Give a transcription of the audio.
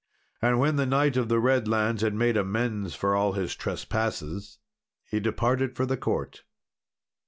And when the Knight of the Redlands had made amends for all his trespasses, he departed for the court.